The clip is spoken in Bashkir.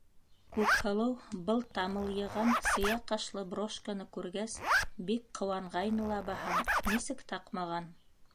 Күкһылыу был тамылйыған сейә ҡашлы брошканы күргәс бик ҡыуанғайны лабаһаң, нисек таҡмаған?